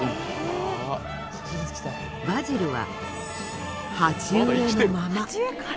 バジルは鉢植えのまま。